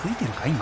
今］